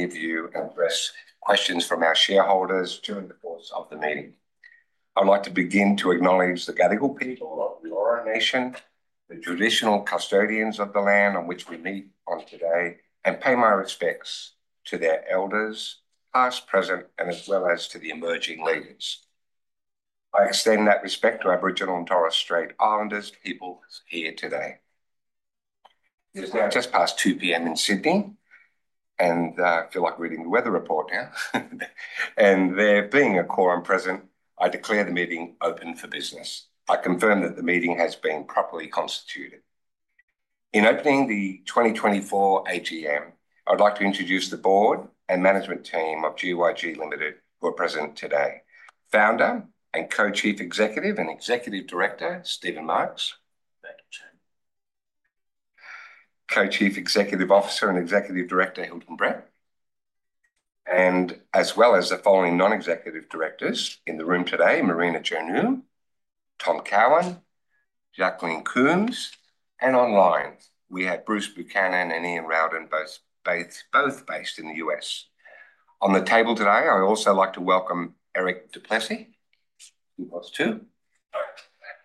Anyone may address questions from our shareholders during the course of the meeting. I would like to begin by acknowledging the Gadigal people of the Eora Nation, the traditional custodians of the land on which we meet today, and pay my respects to their elders past and present, as well as to the emerging leaders. I extend that respect to Aboriginal and Torres Strait Islander people here today. It is now just past 2:00 P.M. in Sydney, and I feel like reading the weather report now. There being a quorum present, I declare the meeting open for business. I confirm that the meeting has been properly constituted. In opening the 2024 AGM, I would like to introduce the board and management team of GYG Limited, who are present today: Founder and Co-Chief Executive and Executive Director, Steven Marks. Thank you, Chair. Co-Chief Executive Officer and Executive Director, Hilton Brett. And as well as the following non-executive directors in the room today: Marina Go, Tom Cowan, Jacqueline Coombs, and online, we have Bruce Buchanan and Ian Rowden, both based in the U.S. On the table today, I would also like to welcome Erik du Plessis,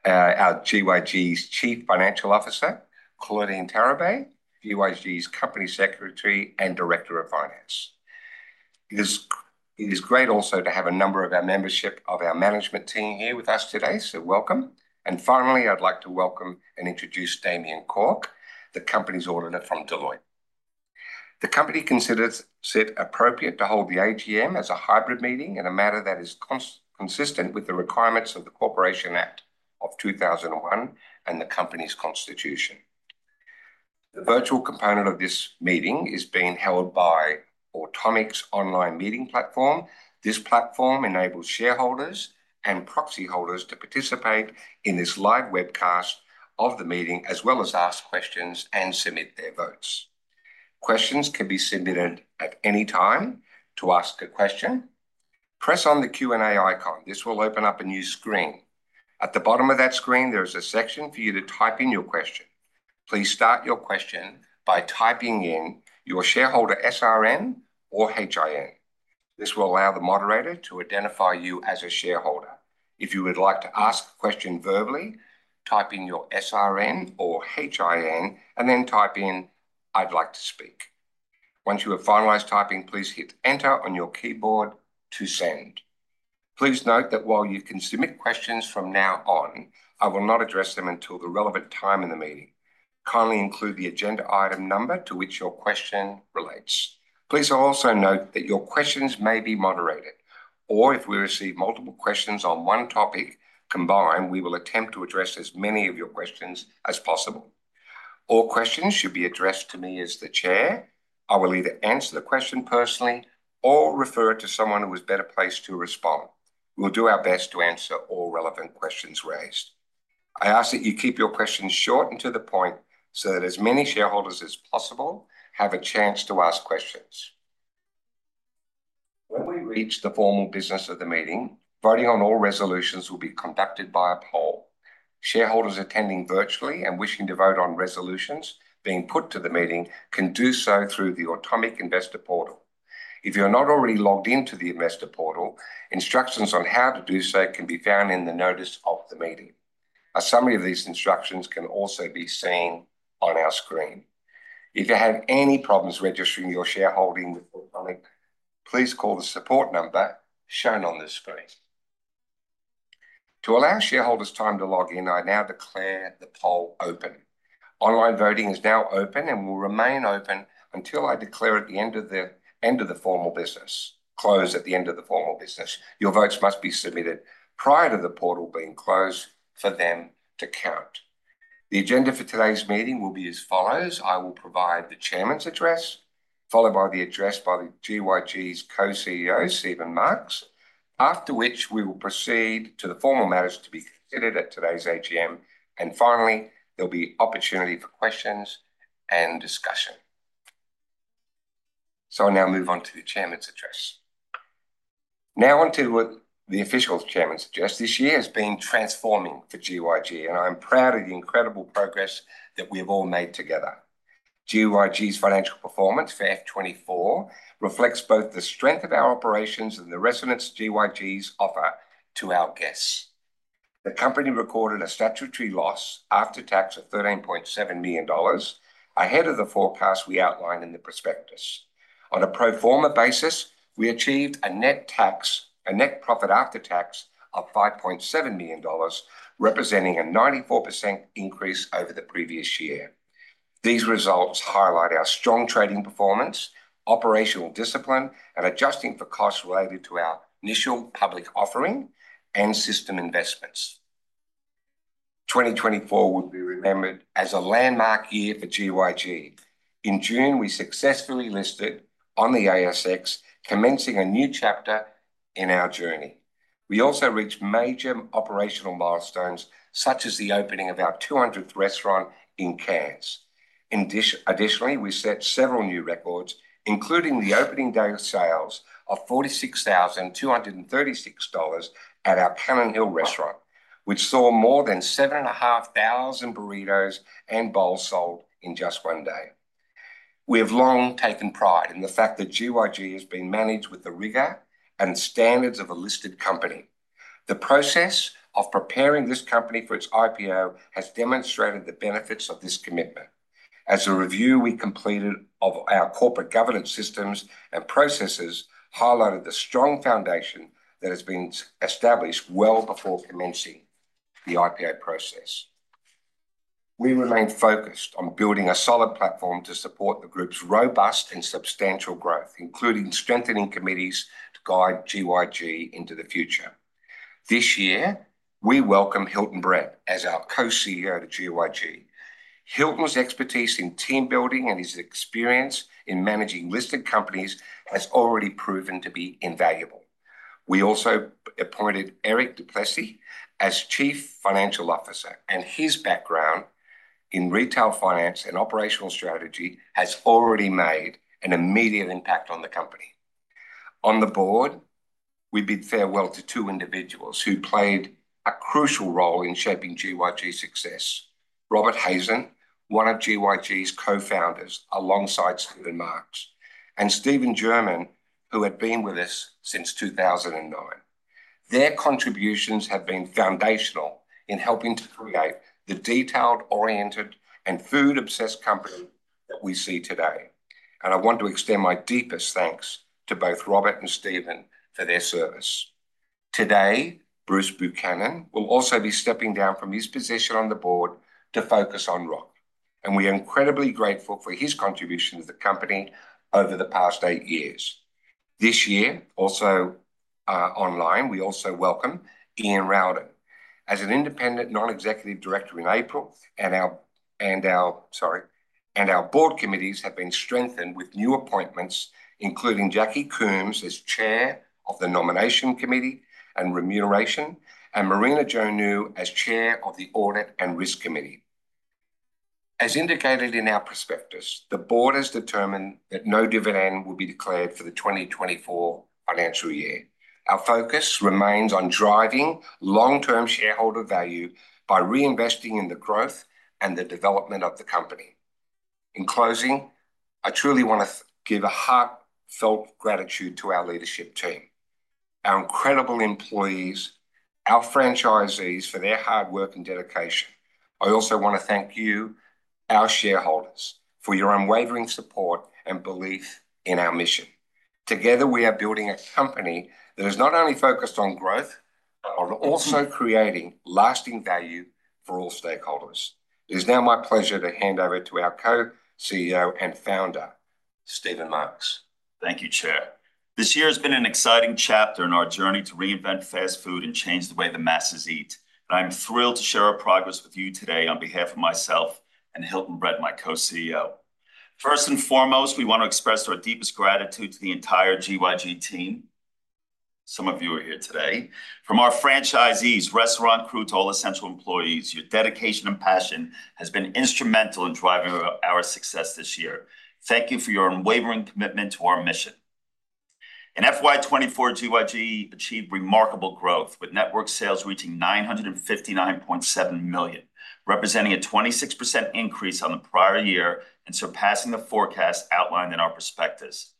our GYG's Chief Financial Officer, Claudine Tarabay, GYG's company secretary and director of finance. It is great also to have a number of our membership of our management team here with us today, so welcome. And finally, I'd like to welcome and introduce Damien Cork, the company's auditor from Deloitte. The company considers it appropriate to hold the AGM as a hybrid meeting in a manner that is consistent with the requirements of the Corporations Act 2001 and the company's constitution. The virtual component of this meeting is being held by Automic's online meeting platform. This platform enables shareholders and proxy holders to participate in this live webcast of the meeting as well as ask questions and submit their votes. Questions can be submitted at any time to ask a question. Press on the Q&A icon. This will open up a new screen. At the bottom of that screen, there is a section for you to type in your question. Please start your question by typing in your shareholder SRN or HIN. This will allow the moderator to identify you as a shareholder. If you would like to ask a question verbally, type in your SRN or HIN, and then type in, "I'd like to speak." Once you have finalized typing, please hit Enter on your keyboard to send. Please note that while you can submit questions from now on, I will not address them until the relevant time in the meeting. Kindly include the agenda item number to which your question relates. Please also note that your questions may be moderated, or if we receive multiple questions on one topic combined, we will attempt to address as many of your questions as possible. All questions should be addressed to me as the Chair. I will either answer the question personally or refer it to someone who is better placed to respond. We'll do our best to answer all relevant questions raised. I ask that you keep your questions short and to the point so that as many shareholders as possible have a chance to ask questions. When we reach the formal business of the meeting, voting on all resolutions will be conducted by a poll. Shareholders attending virtually and wishing to vote on resolutions being put to the meeting can do so through the Automic Investor portal. If you're not already logged into the Investor portal, instructions on how to do so can be found in the notice of the meeting. A summary of these instructions can also be seen on our screen. If you have any problems registering your shareholding with Automic, please call the support number shown on the screen. To allow shareholders time to log in, I now declare the poll open. Online voting is now open and will remain open until I declare at the end of the formal business, close at the end of the formal business. Your votes must be submitted prior to the portal being closed for them to count. The agenda for today's meeting will be as follows. I will provide the chairman's address, followed by the address by the GYG's Co-CEO, Steven Marks, after which we will proceed to the formal matters to be considered at today's AGM. Finally, there'll be opportunity for questions and discussion. I'll now move on to the chairman's address. Now onto the official chairman's address. This year has been transforming for GYG, and I'm proud of the incredible progress that we have all made together. GYG's financial performance for F24 reflects both the strength of our operations and the resonance GYG's offer to our guests. The company recorded a statutory loss after tax of 13.7 million dollars ahead of the forecast we outlined in the prospectus. On a pro forma basis, we achieved a net profit after tax of 5.7 million dollars, representing a 94% increase over the previous year. These results highlight our strong trading performance, operational discipline, and adjusting for costs related to our initial public offering and system investments. 2024 will be remembered as a landmark year for GYG. In June, we successfully listed on the ASX, commencing a new chapter in our journey. We also reached major operational milestones such as the opening of our 200th restaurant in Cairns. Additionally, we set several new records, including the opening day of sales of 46,236 dollars at our Cannon Hill restaurant, which saw more than 7,500 burritos and bowls sold in just one day. We have long taken pride in the fact that GYG has been managed with the rigor and standards of a listed company. The process of preparing this company for its IPO has demonstrated the benefits of this commitment. As a review, we completed of our corporate governance systems and processes highlighted the strong foundation that has been established well before commencing the IPO process. We remain focused on building a solid platform to support the group's robust and substantial growth, including strengthening committees to guide GYG into the future. This year, we welcome Hilton Brett as our Co-CEO to GYG. Hilton's expertise in team building and his experience in managing listed companies has already proven to be invaluable. We also appointed Erik du Plessis as Chief Financial Officer, and his background in retail finance and operational strategy has already made an immediate impact on the company. On the board, we bid farewell to two individuals who played a crucial role in shaping GYG's success: Robert Hazan, one of GYG's co-founders alongside Steven Marks, and Stephen Jermyn, who had been with us since 2009. Their contributions have been foundational in helping to create the detail-oriented and food-obsessed company that we see today. I want to extend my deepest thanks to both Robert and Steven for their service. Today, Bruce Buchanan will also be stepping down from his position on the board to focus on Rokt, and we are incredibly grateful for his contribution to the company over the past eight years. This year, also online, we also welcome Ian Rowden. As an independent non-executive director in April, and our board committees have been strengthened with new appointments, including Jackie Coombs as chair of the nomination committee and remuneration, and Marina Go as chair of the audit and risk committee. As indicated in our prospectus, the board has determined that no dividend will be declared for the 2024 financial year. Our focus remains on driving long-term shareholder value by reinvesting in the growth and the development of the company. In closing, I truly want to give a heartfelt gratitude to our leadership team, our incredible employees, our franchisees for their hard work and dedication. I also want to thank you, our shareholders, for your unwavering support and belief in our mission. Together, we are building a company that is not only focused on growth, but also creating lasting value for all stakeholders. It is now my pleasure to hand over to our Co-CEO and founder, Steven Marks. Thank you, Chair. This year has been an exciting chapter in our journey to reinvent fast food and change the way the masses eat. I'm thrilled to share our progress with you today on behalf of myself and Hilton Brett, my co-CEO. First and foremost, we want to express our deepest gratitude to the entire GYG team, some of you are here today, from our franchisees, restaurant crew, to all essential employees. Your dedication and passion have been instrumental in driving our success this year. Thank you for your unwavering commitment to our mission. In FY24, GYG achieved remarkable growth, with network sales reaching 959.7 million, representing a 26% increase on the prior year and surpassing the forecast outlined in our prospectus.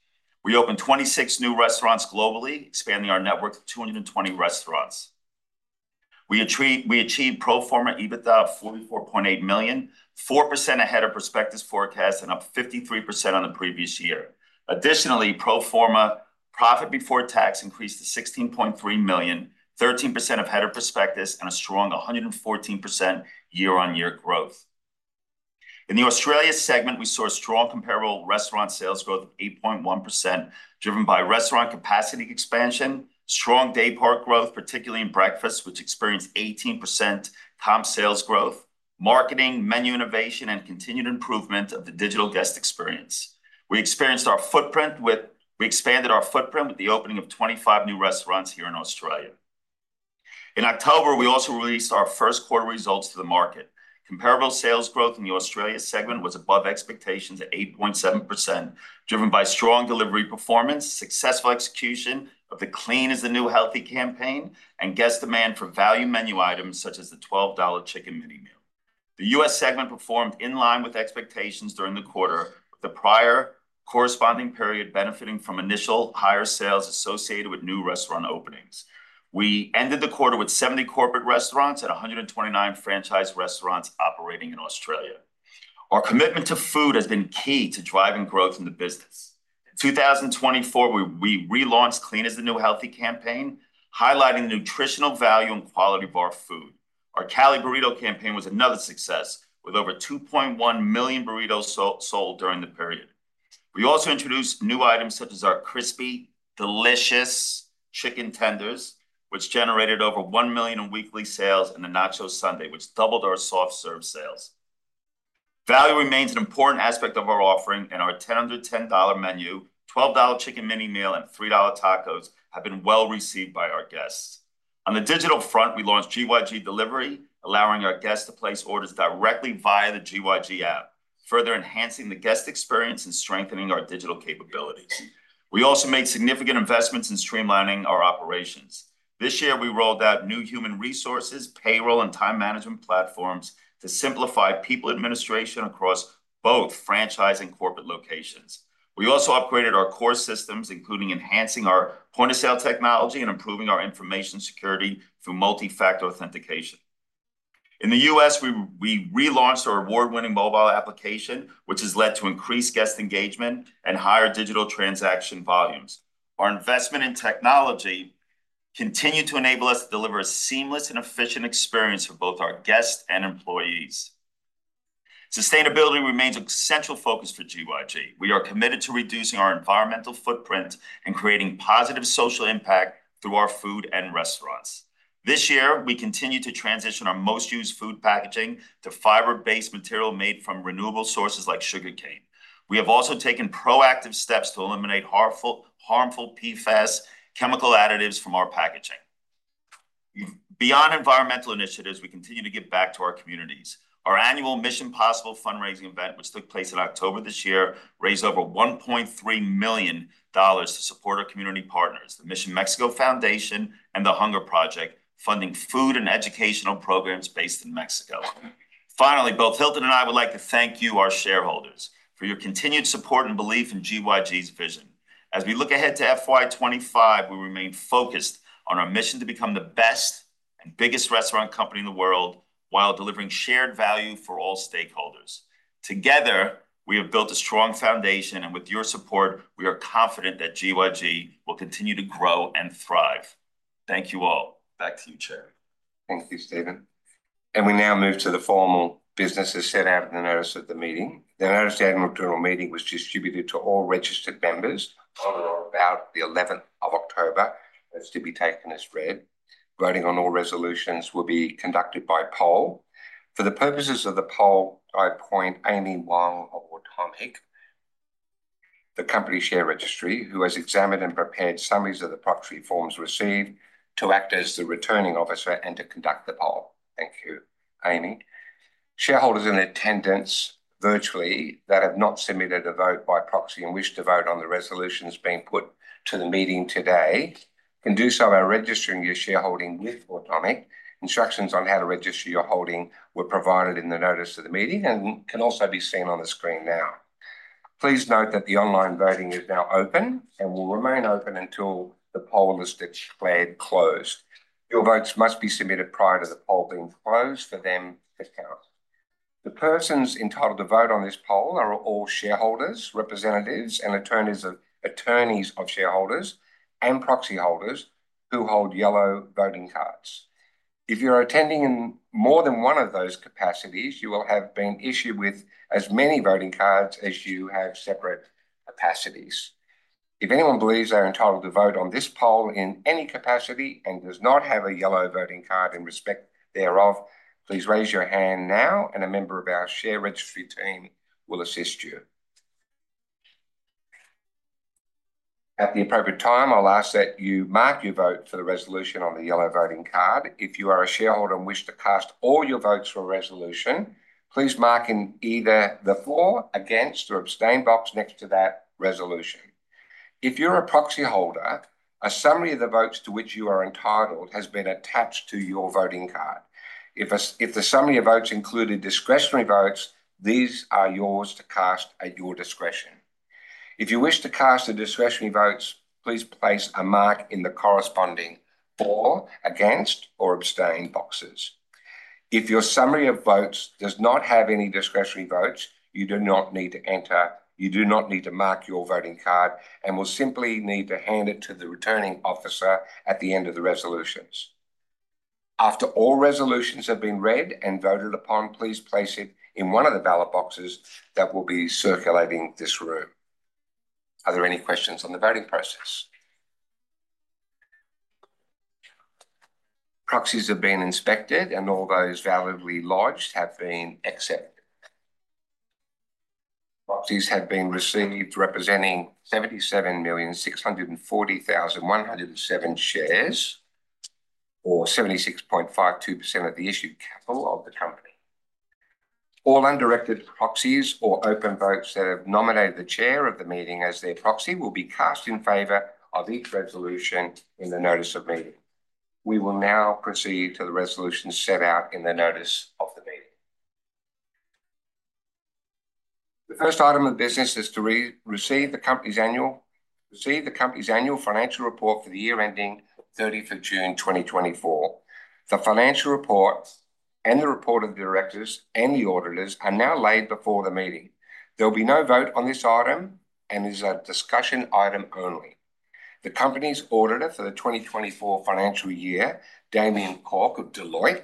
We opened 26 new restaurants globally, expanding our network to 220 restaurants. We achieved Pro Forma EBITDA of 44.8 million, 4% ahead of prospectus forecast and up 53% on the previous year. Additionally, Pro Forma profit before tax increased to 16.3 million, 13% ahead of prospectus, and a strong 114% year-on-year growth. In the Australia segment, we saw a strong comparable restaurant sales growth of 8.1%, driven by restaurant capacity expansion, strong daypart growth, particularly in breakfast, which experienced 18% comp sales growth, marketing, menu innovation, and continued improvement of the digital guest experience. We expanded our footprint with the opening of 25 new restaurants here in Australia. In October, we also released our first quarter results to the market. Comparable sales growth in the Australia segment was above expectations at 8.7%, driven by strong delivery performance, successful execution of the "Clean is the New Healthy" campaign, and guest demand for value menu items such as the $12 Chicken Mini Meal. The US segment performed in line with expectations during the quarter, with the prior corresponding period benefiting from initial higher sales associated with new restaurant openings. We ended the quarter with 70 corporate restaurants and 129 franchise restaurants operating in Australia. Our commitment to food has been key to driving growth in the business. In 2024, we relaunched "Clean is the New Healthy" campaign, highlighting the nutritional value and quality of our food. Our Cali Burrito campaign was another success, with over 2.1 million burritos sold during the period. We also introduced new items such as our crispy, delicious Chicken Tenders, which generated over $1 million in weekly sales, and the Nacho Sundae, which doubled our soft serve sales. Value remains an important aspect of our offering, and our $10 Menu, $12 Chicken Mini Meal, and $3 Tacos have been well received by our guests. On the digital front, we launched GYG Delivery, allowing our guests to place orders directly via the GYG app, further enhancing the guest experience and strengthening our digital capabilities. We also made significant investments in streamlining our operations. This year, we rolled out new human resources, payroll, and time management platforms to simplify people administration across both franchise and corporate locations. We also upgraded our core systems, including enhancing our point-of-sale technology and improving our information security through multi-factor authentication. In the US, we relaunched our award-winning mobile application, which has led to increased guest engagement and higher digital transaction volumes. Our investment in technology continues to enable us to deliver a seamless and efficient experience for both our guests and employees. Sustainability remains a central focus for GYG. We are committed to reducing our environmental footprint and creating positive social impact through our food and restaurants. This year, we continue to transition our most-used food packaging to fiber-based material made from renewable sources like sugarcane. We have also taken proactive steps to eliminate harmful PFAS chemical additives from our packaging. Beyond environmental initiatives, we continue to give back to our communities. Our annual Mission Possible fundraising event, which took place in October this year, raised over 1.3 million dollars to support our community partners, the Mission Mexico Foundation, and the Hunger Project, funding food and educational programs based in Mexico. Finally, both Hilton and I would like to thank you, our shareholders, for your continued support and belief in GYG's vision. As we look ahead to FY25, we remain focused on our mission to become the best and biggest restaurant company in the world while delivering shared value for all stakeholders. Together, we have built a strong foundation, and with your support, we are confident that GYG will continue to grow and thrive. Thank you all. Back to you, Chair. Thank you, Steven. We now move to the formal business as set out in the notice of the meeting. The notice of the meeting was distributed to all registered members on or about the 11th of October. That's to be taken as read. Voting on all resolutions will be conducted by poll. For the purposes of the poll, I appoint Amy Wong of Automic, the company share registry, who has examined and prepared summaries of the proxy forms received to act as the returning officer and to conduct the poll. Thank you, Amy. Shareholders in attendance virtually that have not submitted a vote by proxy and wish to vote on the resolutions being put to the meeting today can do so by registering your shareholding with Automic. Instructions on how to register your holding were provided in the notice of the meeting and can also be seen on the screen now. Please note that the online voting is now open and will remain open until the poll is declared closed. Your votes must be submitted prior to the poll being closed for them to count. The persons entitled to vote on this poll are all shareholders, representatives, and attorneys of shareholders and proxy holders who hold yellow voting cards. If you're attending in more than one of those capacities, you will have been issued with as many voting cards as you have separate capacities. If anyone believes they're entitled to vote on this poll in any capacity and does not have a yellow voting card in respect thereof, please raise your hand now, and a member of our share registry team will assist you. At the appropriate time, I'll ask that you mark your vote for the resolution on the yellow voting card. If you are a shareholder and wish to cast all your votes for a resolution, please mark in either the for, against, or abstain box next to that resolution. If you're a proxy holder, a summary of the votes to which you are entitled has been attached to your voting card. If the summary of votes included discretionary votes, these are yours to cast at your discretion. If you wish to cast the discretionary votes, please place a mark in the corresponding for, against, or abstain boxes. If your summary of votes does not have any discretionary votes, you do not need to enter. You do not need to mark your voting card and will simply need to hand it to the returning officer at the end of the resolutions. After all resolutions have been read and voted upon, please place it in one of the ballot boxes that will be circulating this room. Are there any questions on the voting process? Proxies have been inspected, and all those validly lodged have been accepted. Proxies have been received representing 77,640,107 shares, or 76.52% of the issued capital of the company. All undirected proxies or open votes that have nominated the chair of the meeting as their proxy will be cast in favor of each resolution in the notice of meeting. We will now proceed to the resolutions set out in the notice of the meeting. The first item of business is to receive the company's annual financial report for the year ending 30th of June 2024. The financial report and the report of the directors and the auditors are now laid before the meeting. There will be no vote on this item, and it is a discussion item only. The company's auditor for the 2024 financial year, Damien Cork of Deloitte,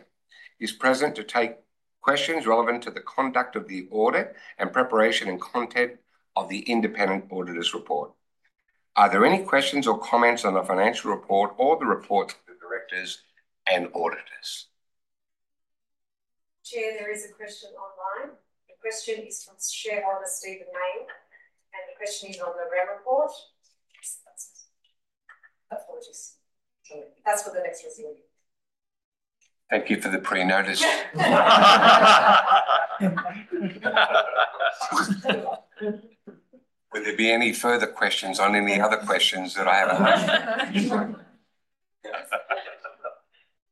is present to take questions relevant to the conduct of the audit and preparation and content of the independent auditor's report. Are there any questions or comments on the financial report or the report to the directors and auditors? Chair, there is a question online. The question is from shareholder Stephen Mayne, and the question is on the report. That's for the next resolution. Thank you for the pre-notice. Would there be any further questions on any other questions that I haven't asked?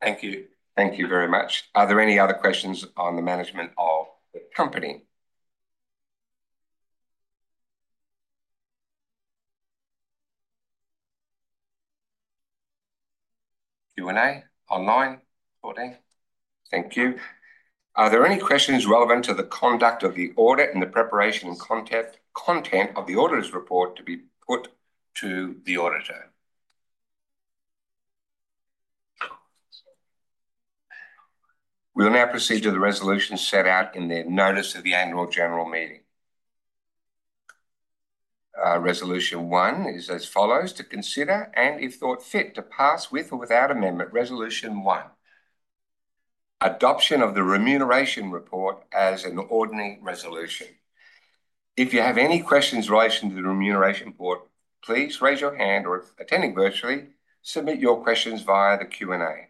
Thank you. Thank you very much. Are there any other questions on the management of the company? Q&A online reporting. Thank you. Are there any questions relevant to the conduct of the audit and the preparation and content of the auditor's report to be put to the auditor? We'll now proceed to the resolutions set out in the notice of the annual general meeting. Resolution One is as follows: to consider and, if thought fit, to pass with or without amendment. Resolution One: adoption of the remuneration report as an ordinary resolution. If you have any questions relating to the remuneration report, please raise your hand or, attending virtually, submit your questions via the Q&A. Is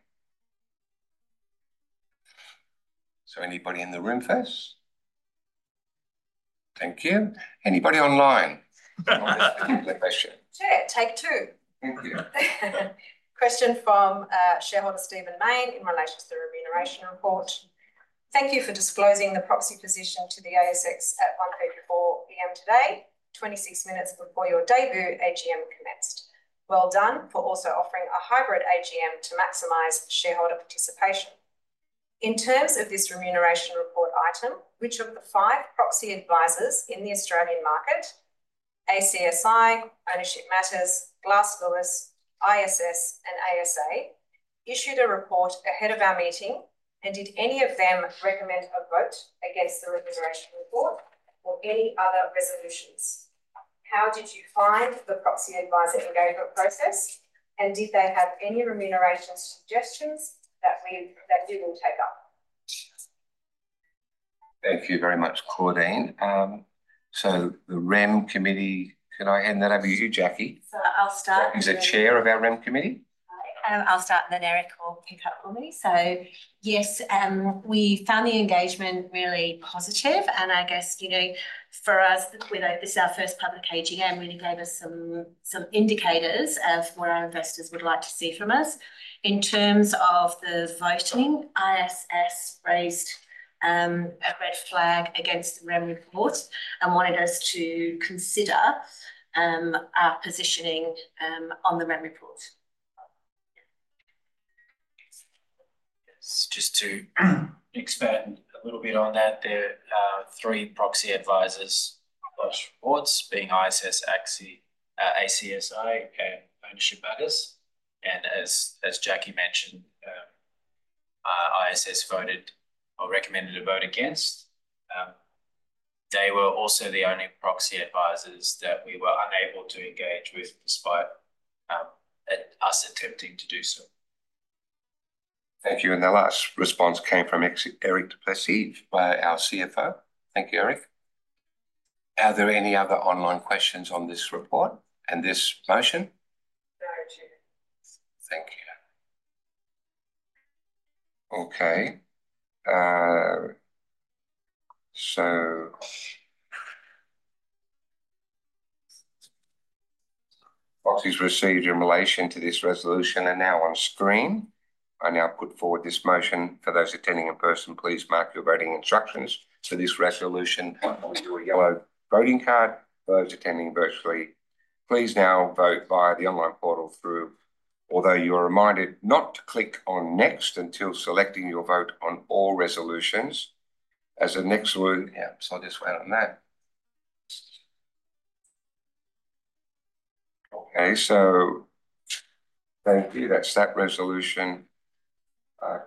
there anybody in the room with us? Thank you. Anybody online? Chair, take two. Thank you. Question from shareholder Stephen Mayne in relation to the remuneration report. Thank you for disclosing the proxy position to the ASX at 1:54 P.M. today, 26 minutes before your debut AGM commenced. Well done for also offering a hybrid AGM to maximize shareholder participation. In terms of this remuneration report item, which of the five proxy advisors in the Australian market, ACSI, Ownership Matters, Glass Lewis, ISS, and ASA, issued a report ahead of our meeting, and did any of them recommend a vote against the remuneration report or any other resolutions? How did you find the proxy advisor engagement process, and did they have any remuneration suggestions that you will take up? Thank you very much, Claudine. So the REM committee, can I hand that over to you, Jackie? So I'll start. She's a Chair of our REM Committee. I'll start then, Erik, or pick up for me. So yes, we found the engagement really positive. And I guess for us, this is our first public AGM, really gave us some indicators of what our investors would like to see from us. In terms of the voting, ISS raised a red flag against the remuneration report and wanted us to consider our positioning on the remuneration report. Just to expand a little bit on that, there are three proxy advisors for those reports, being ISS, ACSI, and Ownership Matters. And as Jackie mentioned, ISS voted or recommended a vote against. They were also the only proxy advisors that we were unable to engage with despite us attempting to do so. Thank you. And the last response came from Erik du Plessis via our CFO. Thank you, Erik. Are there any other online questions on this report and this motion? No, Chair. Thank you. Okay, so proxies received in relation to this resolution are now on screen. I now put forward this motion. For those attending in person, please mark your voting instructions for this resolution on your yellow voting card. For those attending virtually, please now vote via the online portal, although you are reminded not to click on next until selecting your vote on all resolutions. So I'll just wait on that. Okay. So thank you. That's that resolution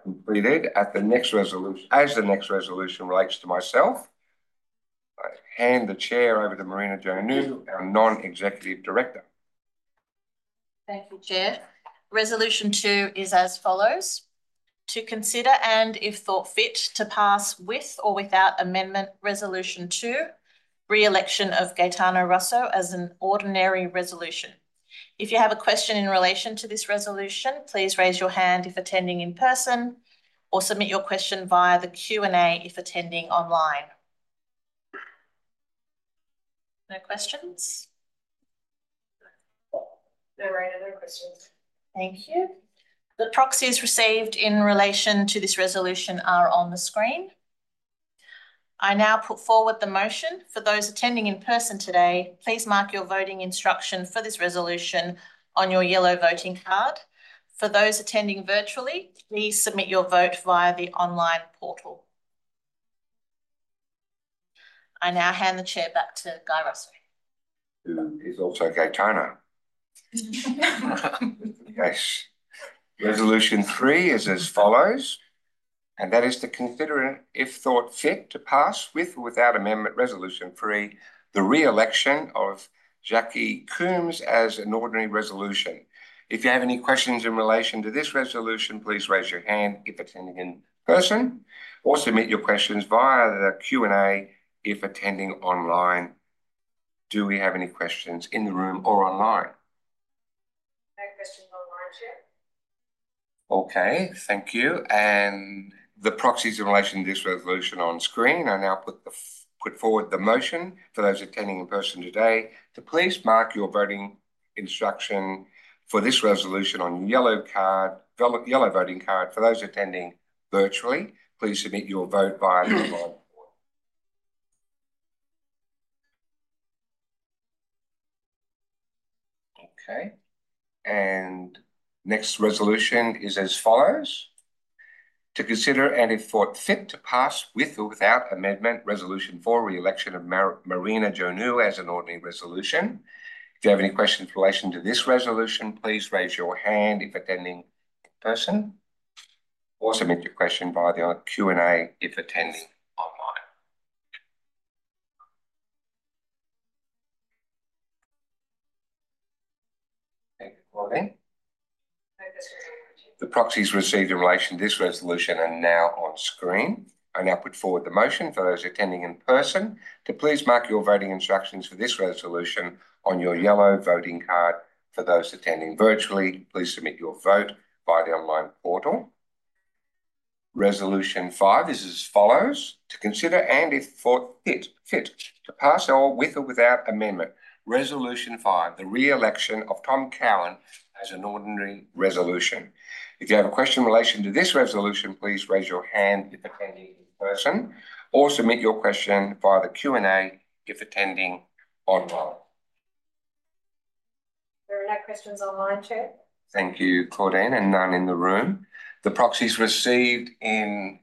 completed. As the next resolution relates to myself, I hand the chair over to Marina Go, our Non-executive Director. Thank you, Chair. Resolution Two is as follows: to consider and, if thought fit, to pass with or without amendment Resolution Two, re-election of Gaetano Russo as an ordinary resolution. If you have a question in relation to this resolution, please raise your hand if attending in person, or submit your question via the Q&A if attending online. No questions? No raised. No questions. Thank you. The proxies received in relation to this resolution are on the screen. I now put forward the motion. For those attending in person today, please mark your voting instruction for this resolution on your yellow voting card. For those attending virtually, please submit your vote via the online portal. I now hand the chair back to Guy Russo. Who is also Gaetano. Yes. Resolution Three is as follows, and that is to consider and, if thought fit, to pass with or without amendment Resolution Three, the re-election of Jackie Coombs as an ordinary resolution. If you have any questions in relation to this resolution, please raise your hand if attending in person, or submit your questions via the Q&A if attending online. Do we have any questions in the room or online? No questions online, Chair. Okay. Thank you. And the proxies in relation to this resolution on screen, I now put forward the motion for those attending in person today to please mark your voting instruction for this resolution on yellow voting card. For those attending virtually, please submit your vote via the online portal. Okay. And next resolution is as follows: to consider and, if thought fit, to pass with or without amendment Resolution Four, re-election of Marina Go as an ordinary resolution. If you have any questions in relation to this resolution, please raise your hand if attending in person, or submit your question via the Q&A if attending online. Thank you, Claudine. No, that's correct. The proxies received in relation to this resolution are now on screen. I now put forward the motion for those attending in person to please mark your voting instructions for this resolution on your yellow voting card. For those attending virtually, please submit your vote via the online portal. Resolution Five is as follows: to consider and, if thought fit, to pass or with or without amendment Resolution Five, the re-election of Tom Cowan as an ordinary resolution. If you have a question in relation to this resolution, please raise your hand if attending in person, or submit your question via the Q&A if attending online. There are no questions online, Chair. Thank you, Claudine, and none in the room. The proxies received in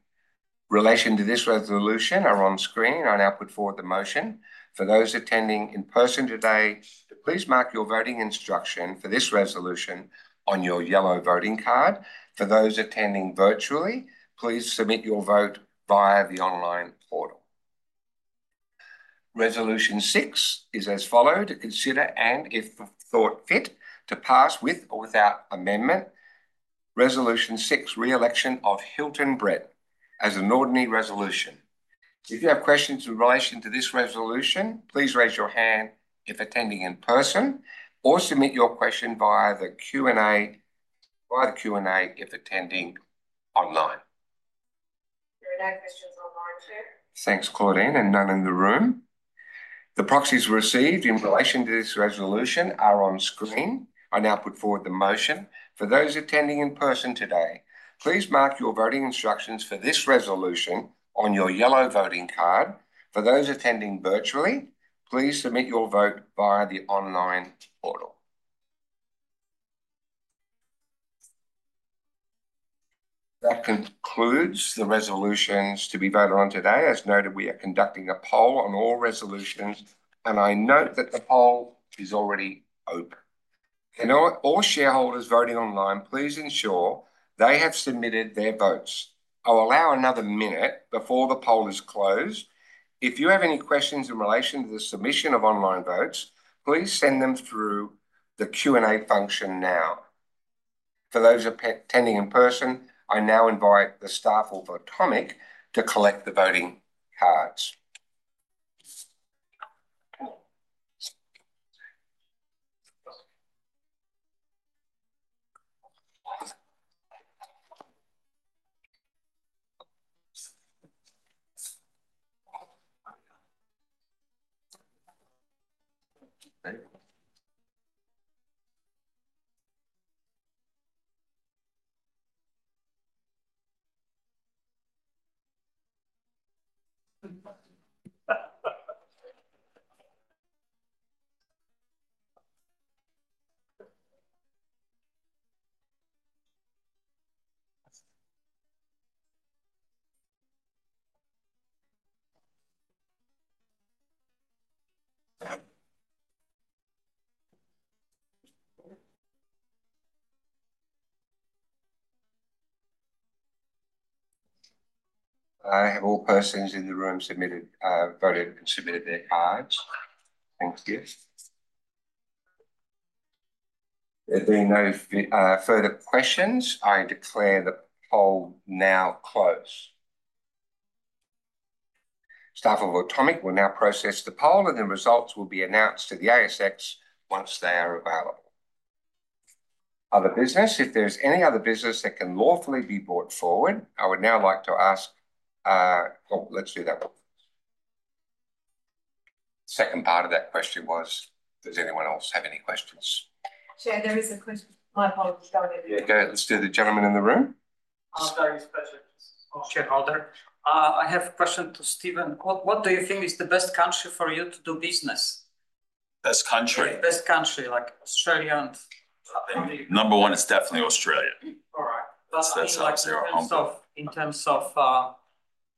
relation to this resolution are on screen. I now put forward the motion for those attending in person today to please mark your voting instruction for this resolution on your yellow voting card. For those attending virtually, please submit your vote via the online portal. Resolution Six is as follows: to consider and, if thought fit, to pass with or without amendment Resolution Six, re-election of Hilton Brett as an ordinary resolution. If you have questions in relation to this resolution, please raise your hand if attending in person, or submit your question via the Q&A if attending online. There are no questions online, Chair. Thanks, Claudine, and none in the room. The proxies received in relation to this resolution are on screen. I now put forward the motion. For those attending in person today, please mark your voting instructions for this resolution on your yellow voting card. For those attending virtually, please submit your vote via the online portal. That concludes the resolutions to be voted on today. As noted, we are conducting a poll on all resolutions, and I note that the poll is already open. All shareholders voting online, please ensure they have submitted their votes. I'll allow another minute before the poll is closed. If you have any questions in relation to the submission of online votes, please send them through the Q&A function now. For those attending in person, I now invite the staff of Automic to collect the voting cards. All persons in the room voted and submitted their cards. Thank you. There being no further questions, I declare the poll now closed. Staff of Automic will now process the poll, and the results will be announced to the ASX once they are available. Other business, if there's any other business that can lawfully be brought forward, I would now like to ask, oh, let's do that one. Second part of that question was, does anyone else have any questions? Chair, there is a question. My apologies, Claudine. Yeah, go ahead. Let's do the gentleman in the room. I'll take this question. I'll share my turn. I have a question to Steven. What do you think is the best country for you to do business? Best country? Best country, like Australia and. Number one, it's definitely Australia. All right. That's in terms of,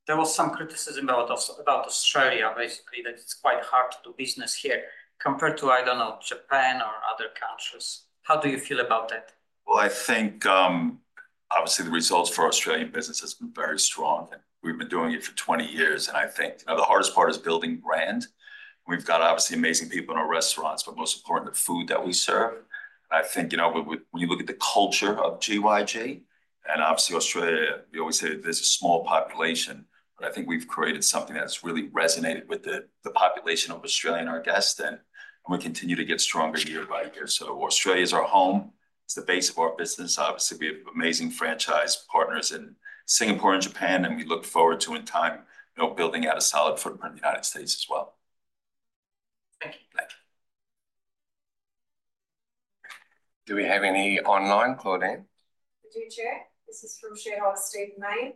there was some criticism about Australia, basically, that it's quite hard to do business here compared to, I don't know, Japan or other countries. How do you feel about that? Well, I think, obviously, the results for Australian business have been very strong. We've been doing it for 20 years, and I think the hardest part is building brand. We've got, obviously, amazing people in our restaurants, but most importantly, the food that we serve. And I think when you look at the culture of GYG and, obviously, Australia, we always say there's a small population, but I think we've created something that's really resonated with the population of Australia and our guests, and we continue to get stronger year by year. So Australia is our home. It's the base of our business. Obviously, we have amazing franchise partners in Singapore and Japan, and we look forward to, in time, building out a solid footprint in the United States as well. Thank you. Thank you. Do we have any online, Claudine? We do, Chair. This is from shareholder Stephen Mayne.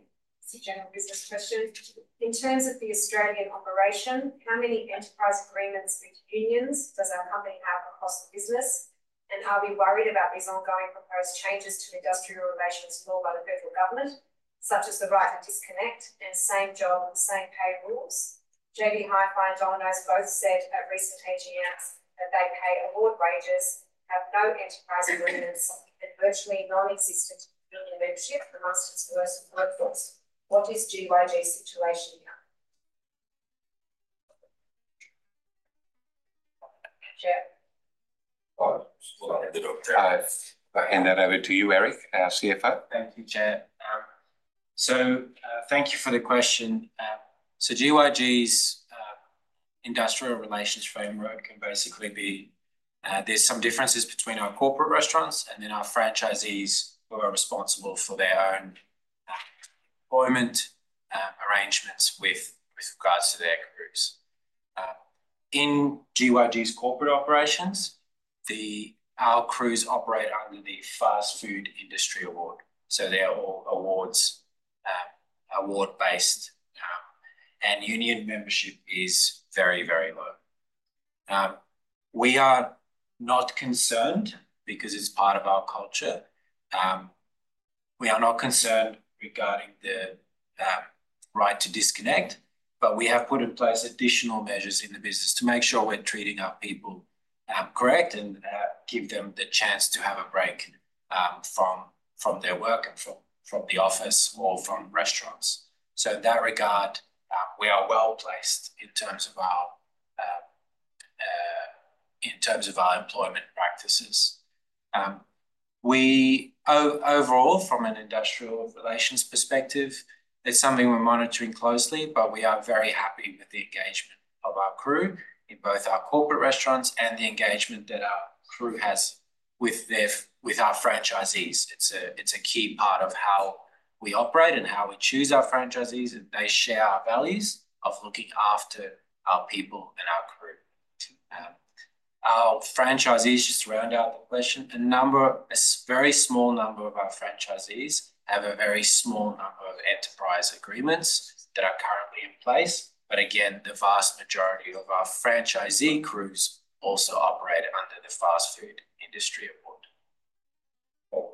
It's a general business question. In terms of the Australian operation, how many enterprise agreements with unions does our company have across the business? And are we worried about these ongoing proposed changes to industrial relations law by the federal government, such as the right to disconnect and same job, same pay rules? JB Hi-Fi and Domino's both said at recent AGMs that they pay award wages, have no enterprise agreements, and virtually non-existent union membership amongst its workforce. What is GYG's situation here? Chair. I'll hand that over to you, Erik, our CFO. Thank you, Chair. So thank you for the question. So GYG's industrial relations framework can basically be. There's some differences between our corporate restaurants and then our franchisees who are responsible for their own employment arrangements with regards to their crews. In GYG's corporate operations, our crews operate under the Fast Food Industry Award. So they're all awards-based, and union membership is very, very low. We are not concerned because it's part of our culture. We are not concerned regarding the right to disconnect, but we have put in place additional measures in the business to make sure we're treating our people correct and give them the chance to have a break from their work and from the office or from restaurants. So in that regard, we are well placed in terms of our employment practices. Overall, from an industrial relations perspective, it's something we're monitoring closely, but we are very happy with the engagement of our crew in both our corporate restaurants and the engagement that our crew has with our franchisees. It's a key part of how we operate and how we choose our franchisees, and they share our values of looking after our people and our crew. Our franchisees, just to round out the question, a very small number of our franchisees have a very small number of enterprise agreements that are currently in place. But again, the vast majority of our franchisee crews also operate under the Fast Food Industry Award.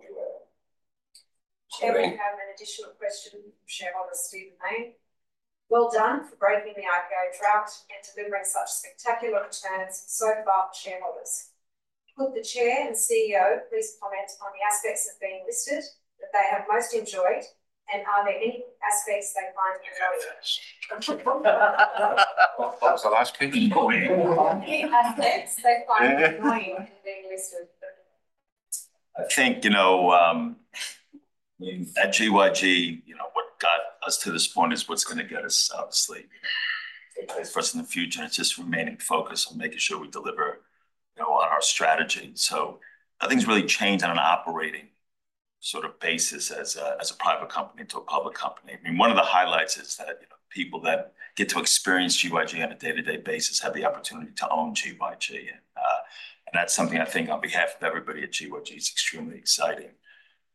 If you have an additional question, shareholder Stephen Mayne. Well done for breaking the IPO drought and delivering such spectacular returns so far for shareholders. Could the Chair and CEO please comment on the aspects of being listed that they have most enjoyed, and are there any aspects they find annoying? What was the last question? Any aspects they find annoying in being listed? I think at GYG, what got us to this point is what's going to get us, obviously, to a place for us in the future. It's just remaining focused on making sure we deliver on our strategy. So nothing's really changed on an operating sort of basis as a private company to a public company. I mean, one of the highlights is that people that get to experience GYG on a day-to-day basis have the opportunity to own GYG. And that's something I think, on behalf of everybody at GYG, is extremely exciting.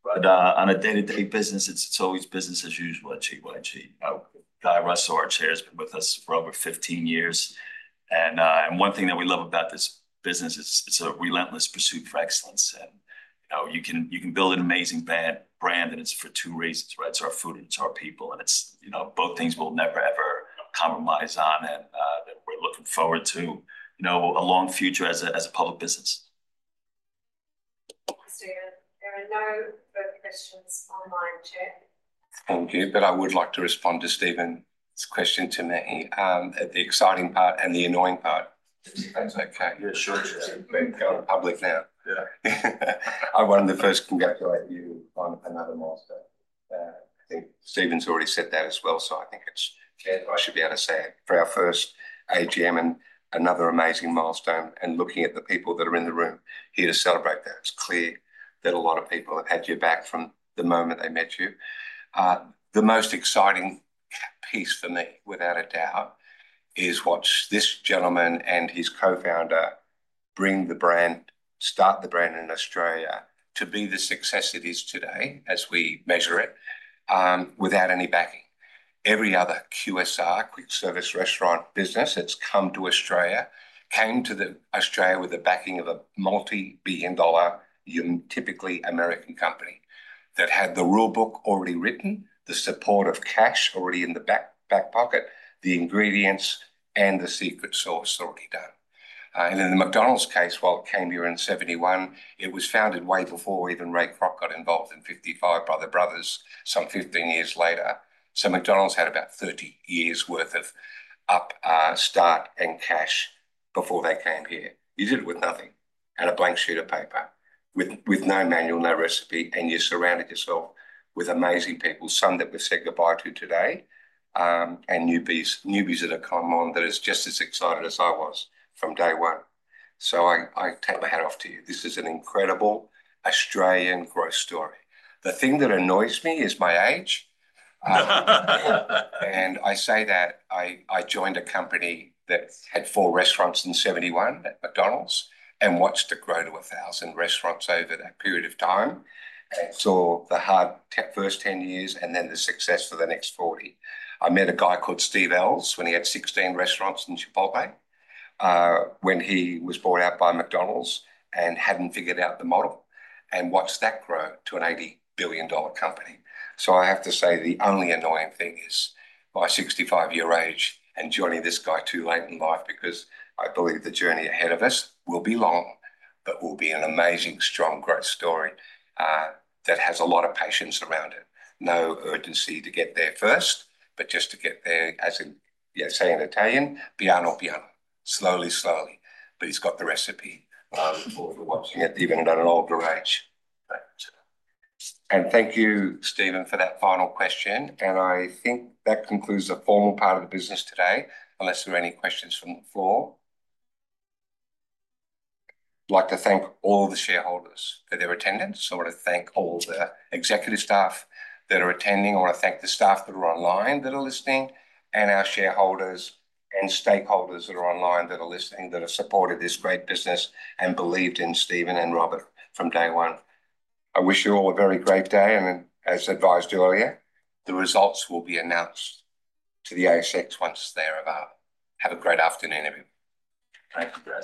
But on a day-to-day business, it's always business as usual at GYG. Guy Russo, our Chair, has been with us for over 15 years. And one thing that we love about this business is it's a relentless pursuit for excellence. And you can build an amazing brand, and it's for two reasons, right? It's our food, and it's our people, and it's both things we'll never, ever compromise on, and we're looking forward to a long future as a public business. Thank you, Steven. There are no further questions online, Chair. Thank you. But I would like to respond to Steven's question to me. The exciting part and the annoying part. Just to clarify. Yeah, sure. Thank you. Going public now. Yeah. I wanted to first congratulate you on another milestone. I think Steven's already said that as well, so I think I should be able to say it. For our first AGM and another amazing milestone, and looking at the people that are in the room here to celebrate that, it's clear that a lot of people have had your back from the moment they met you. The most exciting piece for me, without a doubt, is what this gentleman and his co-founder brought the brand, started the brand in Australia to be the success it is today as we measure it without any backing. Every other QSR, quick service restaurant business that's come to Australia came to Australia with the backing of a multi-billion dollar, typically American company that had the rulebook already written, the support of cash already in the back pocket, the ingredients, and the secret sauce already done. And in the McDonald's case, while it came here in 1971, it was founded way before even Ray Kroc got involved in 1955 by the brothers, some 15 years later. So McDonald's had about 30 years' worth of upstart and cash before they came here. You did it with nothing, had a blank sheet of paper with no manual, no recipe, and you surrounded yourself with amazing people, some that we've said goodbye to today, and newbies at a time that is just as excited as I was from day one. So I take my hat off to you. This is an incredible Australian growth story. The thing that annoys me is my age, and I say that I joined a company that had four restaurants in 1971 at McDonald's and watched it grow to 1,000 restaurants over that period of time and saw the hard first 10 years and then the success for the next 40. I met a guy called Steve Ells when he had 16 restaurants in Chipotle when he was bought out by McDonald's and hadn't figured out the model and watched that grow to an $80 billion company. I have to say the only annoying thing is my 65-year age and joining this guy too late in life because I believe the journey ahead of us will be long, but will be an amazing, strong growth story that has a lot of patience around it. No urgency to get there first, but just to get there, as in, yeah, saying Italian, piano piano, slowly, slowly. But he's got the recipe for watching it even at an older age. And thank you, Steven, for that final question. And I think that concludes the formal part of the business today unless there are any questions from the floor. I'd like to thank all of the shareholders for their attendance. I want to thank all the executive staff that are attending. I want to thank the staff that are online that are listening and our shareholders and stakeholders that are online that are listening, that have supported this great business and believed in Steven and Robert from day one. I wish you all a very great day. And as advised earlier, the results will be announced to the ASX once they're about. Have a great afternoon, everyone. Thank you.